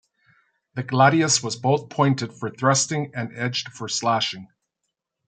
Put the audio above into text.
The gladius was both pointed for thrusting and edged for slashing.